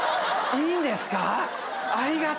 いいんですか？